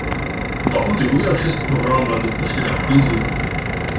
Va contribui acest program la depășirea crizei?